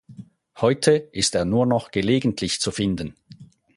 Heute ist er nur noch gelegentlich zu finden.